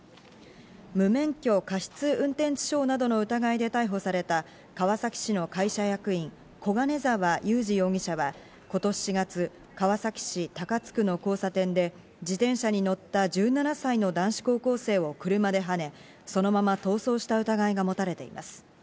無免許過失運転致傷などの疑いで逮捕された川崎市の会社役員、小金沢裕治容疑者は、今年４月、川崎市高津区の交差点で、自転車に乗った１７歳の男子高校生を車ではね、そのまま逃走した疑いが持たれています。